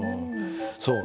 そう。